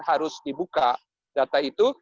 harus dibuka data itu